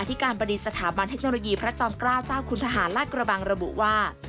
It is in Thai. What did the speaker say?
ที่การบดีสถาบันเทคโนโลยีพระจอมเกล้าเจ้าคุณทหารลาดกระบังระบุว่า